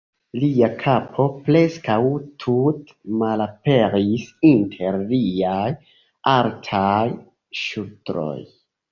Lia kapo preskaŭ tute malaperis inter liaj altaj ŝultroj.